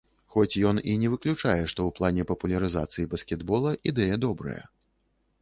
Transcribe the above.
Хоць ён і не выключае, што ў плане папулярызацыі баскетбола ідэя добрая.